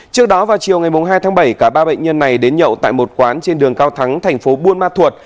trước đó vào chiều ngày hai tháng bảy cả ba bệnh nhân này đến nhậu tại một quán trên đường cao thắng thành phố buôn ma thuột